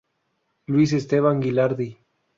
Luis Esteban Gilardi.